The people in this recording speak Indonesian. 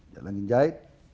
dia lagi menjahit